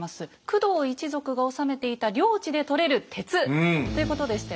工藤一族が治めていた領地でとれる鉄ということでしたよね。